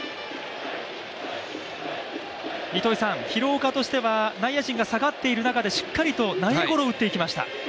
糸井さん、廣岡としては内野陣が下がっている中でしっかりと内野ゴロを打っていきました。